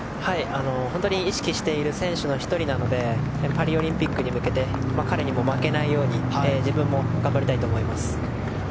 本当に意識している選手の１人なのでパリオリンピックに向けて彼にも負けないように自分も頑張りたいと思います。